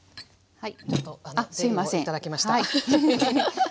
はい。